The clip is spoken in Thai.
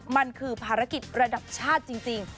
มันคือภารกิจระดับชาติจริง